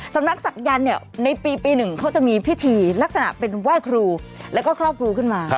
สำนักศักยันต์เนี่ยในปี๑เขาจะมีพิธีลักษณะเป็นไหว้ครูแล้วก็ครอบครูขึ้นมา